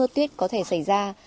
tuyết có thể xảy ra